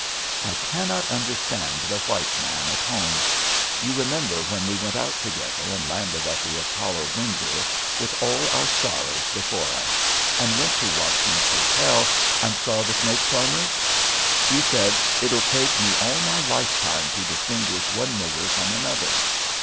" I cannot understand the white man at home. You remember when we went out together and landed at the Apollo Bunder with all our sor rows before us, and went to Watson's Hotel and saw the snake charmers? You said: "It'll take me all my lifetime to distinguish one nigger from another."